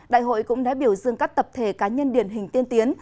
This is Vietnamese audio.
đại hội cũng đã biểu dương các tập thể cá nhân điển hình tiên tiến